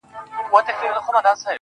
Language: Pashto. ما وتا بېل كړي سره,